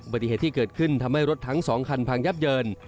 ปฏิเหตุที่เกิดขึ้นทำให้รถทั้ง๒คันพังยับเยิน